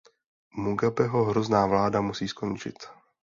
Mugabeho hrozná vláda musí skončit.